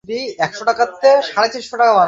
বসাও ঘোড়ার পিঠে।